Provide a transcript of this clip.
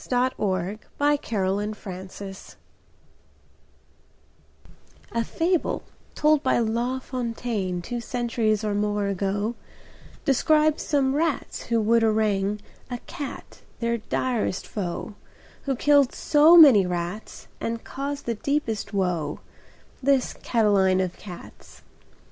[Pg 33] How the Cat was Belled A fable told by La Fontaine, Two centuries or more ago, Describes some rats who would arraign A cat, their direst foe, Who killed so many rats And caused the deepest woe, This Catiline of cats.